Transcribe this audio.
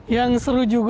yang seru juga